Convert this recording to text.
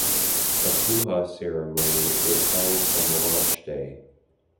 A pooja ceremony was held on the launch day.